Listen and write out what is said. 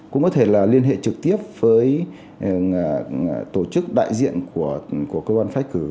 cũng có thể là liên hệ trực tiếp với tổ chức đại diện của cơ quan phát cứ